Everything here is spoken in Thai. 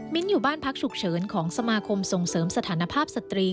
อยู่บ้านพักฉุกเฉินของสมาคมส่งเสริมสถานภาพสตรี